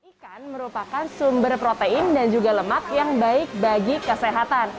ikan merupakan sumber protein dan juga lemak yang baik bagi kesehatan